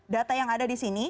data yang ada di sini